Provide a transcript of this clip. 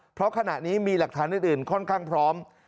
เพราะขณะนี้มีหลักฐานอื่นค่อนข้างพร้อม